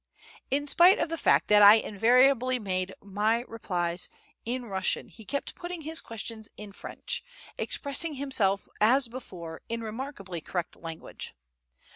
In spite of the fact that I invariably made my replies in Russian, he kept putting his questions in French, expressing himself as before in remarkably correct language.